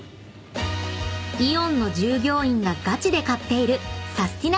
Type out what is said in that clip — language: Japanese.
［イオンの従業員がガチで買っているサスティな！